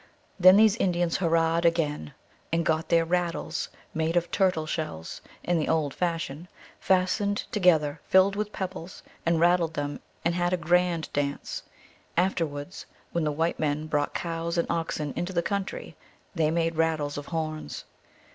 Then these Indians hurrahed again, and got their rattles, made of turtle shells, in the old fashion, fastened to GLOOSKAP THE DIVINITY. Ill gether, filled with pebbles, and rattled them and had a grand dance. Afterwards, when the white men brought cows and oxen into the country, they made rattles of horns.